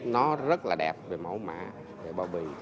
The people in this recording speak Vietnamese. nó rất là đẹp về mẫu mã về bao bì